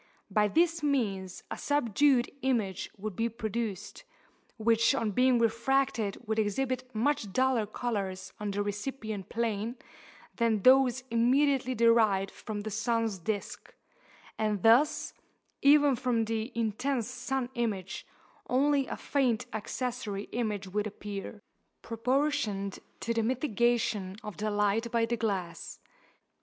By this means a subdued image would be produced, which on being refracted would exhibit much duller colours on the recipient plane than those immediately derived from the sun's disk; and thus, even from the intense sun image, only a faint accessory image would appear, proportioned to the mitigation of the light by the glass.